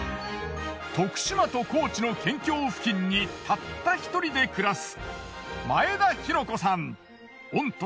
徳島と高知の県境付近にたった１人で暮らす。